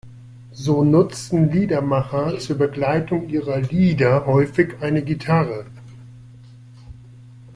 So nutzen Liedermacher zur Begleitung ihrer Lieder häufig eine Gitarre.